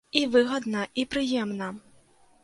І выгадна, і прыемна.